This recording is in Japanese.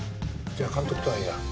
じゃあ監督とは言わん。